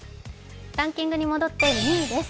ランキングに戻って２位です。